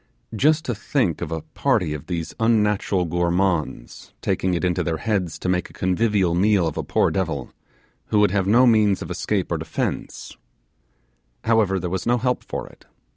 Just to think of a party of these unnatural gourmands taking it into their heads to make a convivial meal of a poor devil, who would have no means of escape or defence: however, there was no help for it.